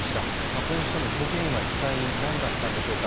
それにしても、事故原因は一体何だったんでしょうか。